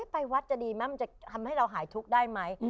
ไปวัดจะดีไหมมันจะทำให้เราหายทุกข์ได้ไหม